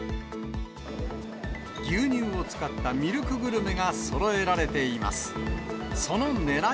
牛乳を使ったミルクグルメがそろえられています。